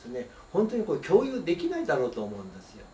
本当に共有できないだろうと思うんですよ。